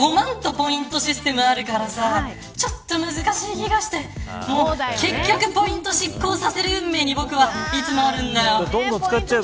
ポイントシステムがたくさんあるから、難しい気がして結局、ポイントを失効させる運命に僕はいつもあるんだよ。